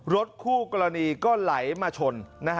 รถคู่กรณีก็ไหลมาชน